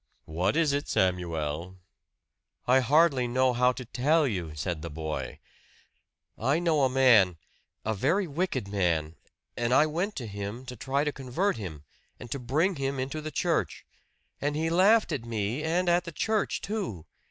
"What is it, Samuel?" "I hardly know how to tell you," said the boy. "I know a man a very wicked man; and I went to him to try to convert him, and to bring him into the church. And he laughed at me, and at the church, too.